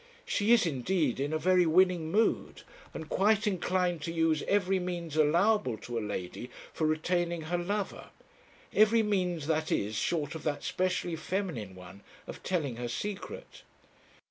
She is indeed in a very winning mood, and quite inclined to use every means allowable to a lady for retaining her lover; every means that is short of that specially feminine one of telling her secret.